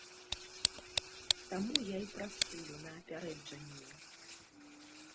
Таму я і працую на апярэджанне.